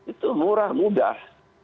itu murah mudah